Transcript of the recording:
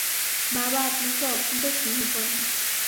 বাবা আপনাকে অত্যন্ত স্নেহ করেন।